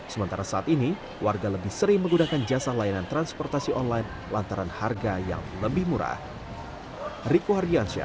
sementara saat ini warga lebih sering menggunakan jasa layanan transportasi online lantaran harga yang lebih murah